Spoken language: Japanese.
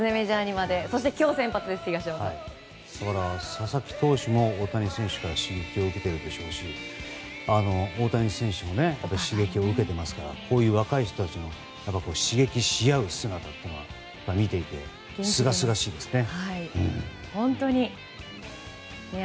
佐々木投手も大谷翔平選手に刺激を受けているでしょうし大谷選手も刺激を受けていますからこういう若い人たちが刺激し合う姿は見ていてすがすがしいですね。